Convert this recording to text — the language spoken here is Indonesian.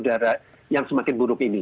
dan perundangan udara yang semakin buruk ini